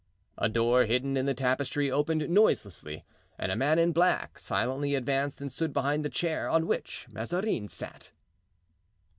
A door hidden in the tapestry opened noiselessly and a man in black silently advanced and stood behind the chair on which Mazarin sat.